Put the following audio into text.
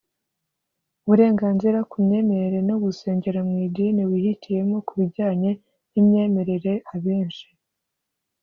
Uburenganzira ku myemerere no gusengera mu idini wihitiyemo Ku bijyanye n imyemerere abenshi